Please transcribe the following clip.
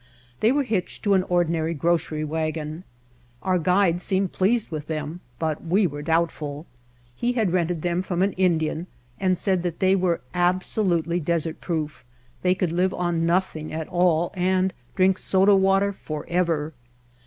They were hitched to an ordi nary grocery wagon. Our guide seemed pleased with them, but we were doubtful. He had rented them from an Indian and said that they were absolutely desert proof, they could live on noth The Outfit ing at all and drink soda water forever.